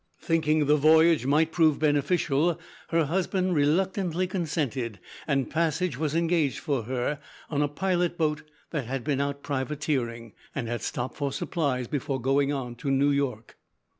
Thinking the voyage might prove beneficial, her husband reluctantly consented, and passage was engaged for her on a pilot boat that had been out privateering, and had stopped for supplies before going on to New York.